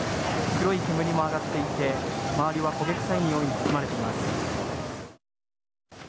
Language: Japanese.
黒い煙も上がっていて周りは焦げ臭いにおいに包まれています。